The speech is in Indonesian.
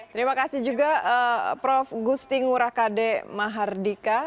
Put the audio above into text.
terima kasih juga prof gusti ngurakade mahardika